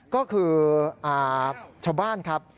ก็คือชาวบ้านครับ